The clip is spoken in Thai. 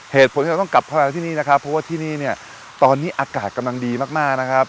เหตุผลที่เราต้องกลับเข้ามาที่นี่นะครับเพราะว่าที่นี่เนี่ยตอนนี้อากาศกำลังดีมากมากนะครับ